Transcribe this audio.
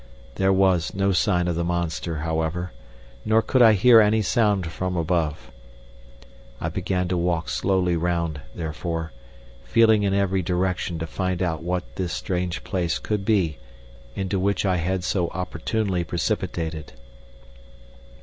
There was no sign of the monster, however, nor could I hear any sound from above. I began to walk slowly round, therefore, feeling in every direction to find out what this strange place could be into which I had been so opportunely precipitated.